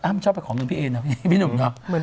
อ้ำชอบไปของกับพี่เอ๋น่ะพี่หนูเนาะเหมือน